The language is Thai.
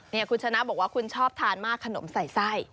นี่คุณชนะบอกว่าคุณชอบทานมากขนมใส่ไส้